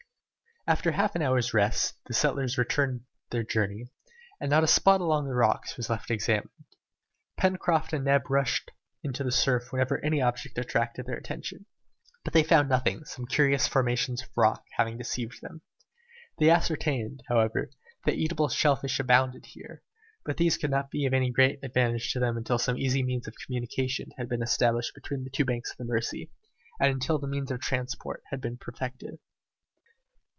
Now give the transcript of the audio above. After half an hour's rest, the settlers resumed their journey, and not a spot among the rocks was left unexamined. Pencroft and Neb even rushed into the surf whenever any object attracted their attention. But they found nothing, some curious formations of the rocks having deceived them. They ascertained, however, that eatable shell fish abounded there, but these could not be of any great advantage to them until some easy means of communication had been established between the two banks of the Mercy, and until the means of transport had been perfected.